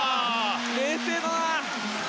冷静だな。